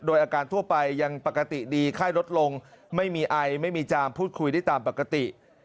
โดยอาการทั่วไปยังปกติดีไข้ลดลงไม่มีไอไม่มีจามพูดคุยได้ตามปกติ